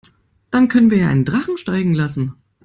Dann können wir ja einen Drachen steigen lassen.